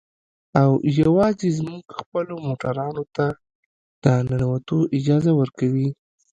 او يوازې زموږ خپلو موټرانو ته د ننوتو اجازه ورکوي.